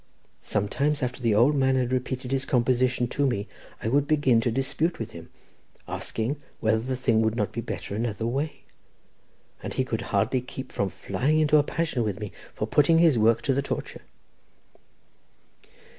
Sometimes after the old man had repeated his composition to me, I would begin to dispute with him, asking whether the thing would not be better another way, and he could hardly keep from flying into a passion with me for putting his work to the torture."